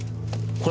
これ。